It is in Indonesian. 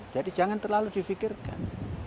jadi jangan terlalu difikirkan